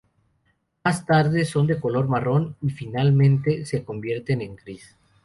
Más tarde, son de color marrón, y, finalmente, se convierten en gris.